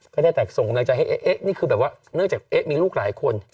ก็ได้แตกส่งในใจนี่คือแบบว่าเนื่องจากเอ๊ะมีลูกหลายคน